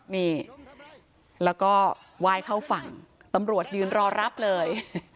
นี่แล้วก็ไหว้เข้าฝั่งตำรวจยืนรอรับเลย